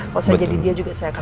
kalau saya jadi dia juga saya akan